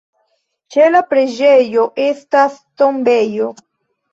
Ĉe la preĝejo estas tombejo.